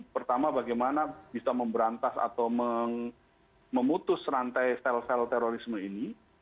pertama bagaimana bisa memberantas atau memutus rantai sel sel terorisme ini